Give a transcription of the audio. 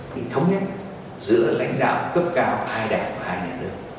thì thống nhất giữa lãnh đạo cấp cao hai đảng hai nhà nước